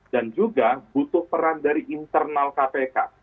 juga butuh peran dari internal kpk